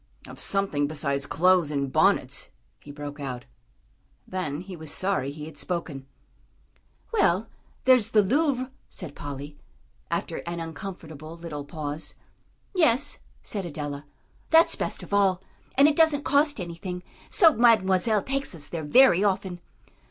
"Of something besides clothes and bonnets," he broke out. Then he was sorry he had spoken. "Well, there's the Louvre," said Polly, after an uncomfortable little pause. "Yes," said Adela, "that's best of all, and it doesn't cost anything; so Mademoiselle takes us there very often."